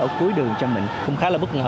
ở cuối đường cho mình không khá là bất ngờ